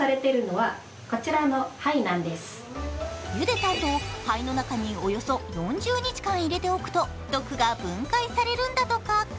ゆでたあと、灰の中におよそ４０日間入れておくと、毒が分解されるんだとか。